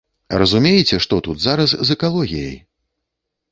Разумееце, што тут зараз з экалогіяй?